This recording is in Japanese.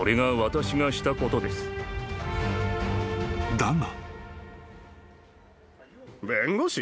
［だが］